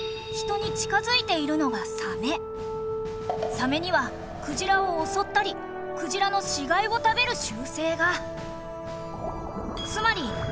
サメにはクジラを襲ったりクジラの死骸を食べる習性が。